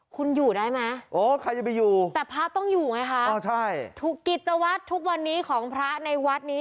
คุณอยู่ได้ไหมแต่พระต้องอยู่ไงคะทุกกิจวัดทุกวันนี้ของพระในวัดนี้